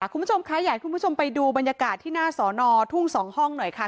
คุณผู้ชมคะอยากให้คุณผู้ชมไปดูบรรยากาศที่หน้าสอนอทุ่ง๒ห้องหน่อยค่ะ